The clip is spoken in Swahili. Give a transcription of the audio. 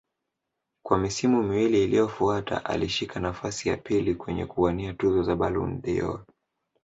Kwa misimu miwili iliyofuata alishika nafasi ya pili kwenye kuwania tuzo za Ballon dâOr